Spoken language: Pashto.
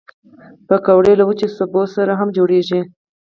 پکورې له وچو سبو سره هم جوړېږي